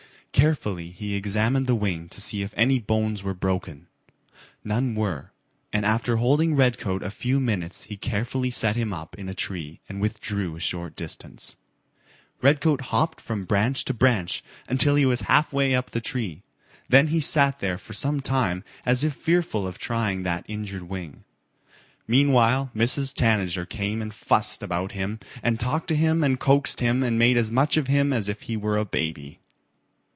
Carefully he examined the wing to see if any bones were broken. None were, and after holding Redcoat a few minutes he carefully set him up in a tree and withdrew a short distance. Redcoat hopped from branch to branch until he was halfway up the tree. Then he sat there for some time as if fearful of trying that injured wing. Meanwhile Mrs. Tanager came and fussed about him and talked to him and coaxed him and made as much of him as if he were a baby.